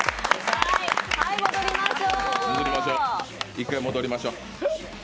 １回戻りましょう。